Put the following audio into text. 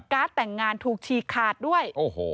แต่งงานถูกฉีกขาดด้วย